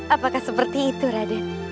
apakah seperti itu raden